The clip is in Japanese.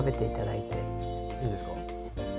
いいですか？